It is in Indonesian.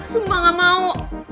sumpah gak mau